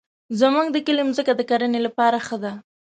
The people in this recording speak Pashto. زمونږ د کلي مځکه د کرنې لپاره ښه ده.